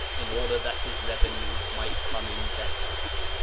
in order that his revenue might come in better."